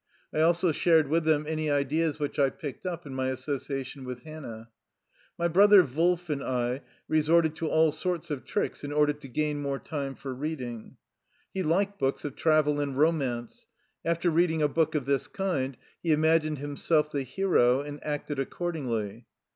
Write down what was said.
I also shared with them any ideas which I picked up in my association with Hannah. My brother Wolf and I resorted to all sorts of tricks in order to gain more time for reading. He liked books of travel and romance. After reading a book of this kind, he imagined himself the hero and acted accordingly.